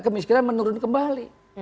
kemiskinan menurun kembali